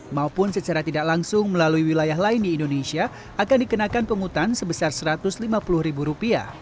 maupun secara tidak langsung melalui wilayah lain di indonesia akan dikenakan penghutan sebesar rp satu ratus lima puluh